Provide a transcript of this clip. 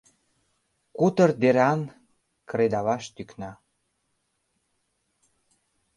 — Кутыр деран кредалаш тӱкна.